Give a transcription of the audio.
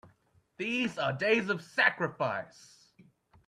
These are days of sacrifice!